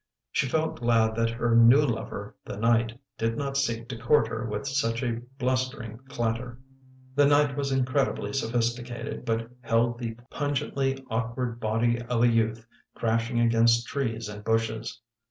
She felt glad that her new lover, the night, did not seek to court her with such a blustering clatter. The night was incredibly sophisticated but held the pungently awkward body of a youth, crashing against trees and bushes.